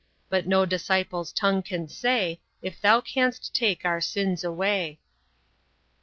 But no disciple's tongue can say If thou can'st take our sins away."